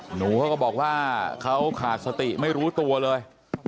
หนูเขาก็บอกว่าเขาขาดสติไม่รู้ตัวเลย